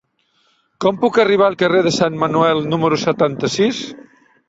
Com puc arribar al carrer de Sant Manuel número setanta-sis?